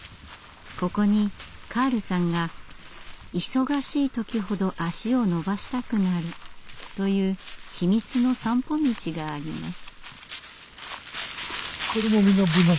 ここにカールさんが忙しい時ほど足を伸ばしたくなるという秘密の散歩道があります。